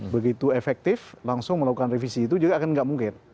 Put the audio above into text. begitu efektif langsung melakukan revisi itu juga akan nggak mungkin